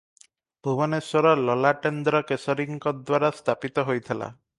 ଭୁବନେଶ୍ୱର ଲଲାଟେନ୍ଦ୍ରକେଶରୀଙ୍କଦ୍ୱାରା ସ୍ଥାପିତ ହୋଇଥିଲା ।